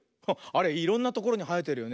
あれいろんなところにはえてるよね。